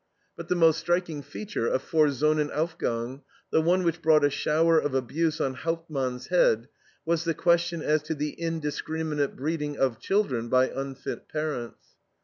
But the most striking feature of VOR SONNENAUFGANG, the one which brought a shower of abuse on Hauptmann's head, was the question as to the indiscriminate breeding of children by unfit parents.